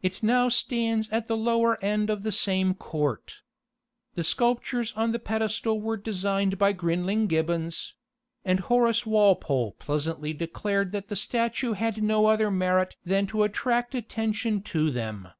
It now stands at the lower end of the same court. The sculptures on the pedestal were designed by Grinling Gibbons; and Horace Walpole pleasantly declared that the statue had no other merit than to attract attention to them.